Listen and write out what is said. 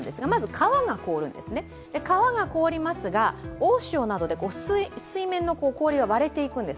川が凍るんですが大潮などで水面の氷が割れていくんです。